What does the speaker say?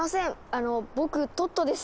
あの僕トットです。